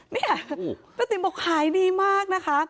เนี่ยป้าติ๋มบอกขายดีมากนะคะ